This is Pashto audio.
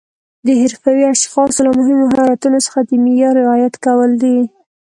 د حرفوي اشخاصو له مهمو مهارتونو څخه د معیار رعایت کول دي.